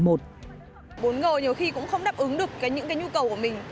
bốn g nhiều khi cũng không đáp ứng được những cái nhu cầu của mình